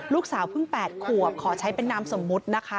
ลูกสาวเพิ่ง๘ขวบขอใช้เป็นนามสมมุตินะคะ